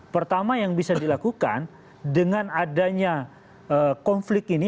pertama yang bisa dilakukan dengan adanya konflik ini